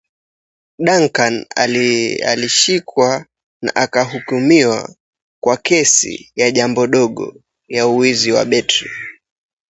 Duncan was arrested and ultimately charged with simple battery.